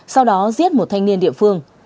sau đó giết một thanh niên địa phương